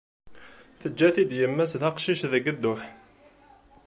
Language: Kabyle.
Teǧǧa-t-id yemma-s d aqcic deg dduḥ.